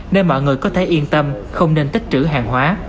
nên mọi người có thể yên tâm không nên tích trữ hàng hóa